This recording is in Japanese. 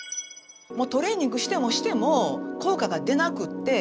トレーニングしてもしても効果が出なくって疲れるんですよ。